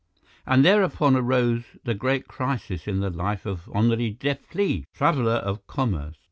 And thereupon arose the great crisis in the life of Henri Deplis, traveller of commerce.